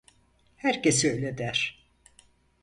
Herkes öyle der.